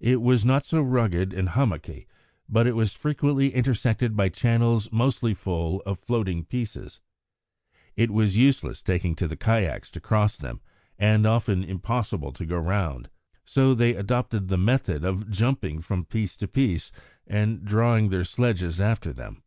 It was not so rugged and hummocky, but it was frequently intersected by channels mostly full of floating pieces. It was useless taking to the kayaks to cross them, and often impossible to go round, so they adopted the method of jumping from piece to piece, and drawing their sledges after them.